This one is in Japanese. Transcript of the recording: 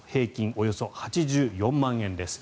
およそ８４万円です。